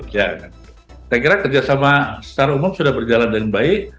saya kira kerjasama secara umum sudah berjalan dengan baik